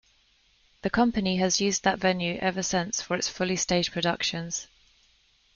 The company has used that venue ever since for its fully staged productions.